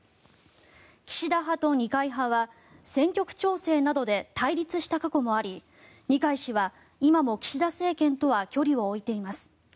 岸田派と二階派は選挙区調整などで対立した過去もあり二階氏は今も岸田政権とは距離を置いています。